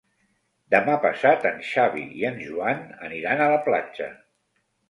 Demà passat en Xavi i en Joan aniran a la platja.